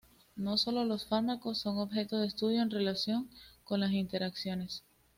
No sólo los fármacos son objeto de estudio en relación con las interacciones.